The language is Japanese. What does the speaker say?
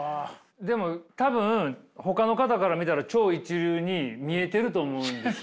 でも多分ほかの方から見たら超一流に見えてると思うんですよ。